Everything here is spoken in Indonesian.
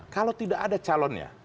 kalau tidak ada calonnya